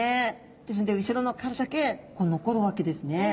ですので後ろの殻だけ残るわけですね。